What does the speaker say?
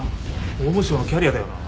法務省のキャリアだよな。